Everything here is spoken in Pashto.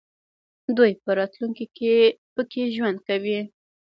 دوی په راتلونکي کې پکې ژوند کوي.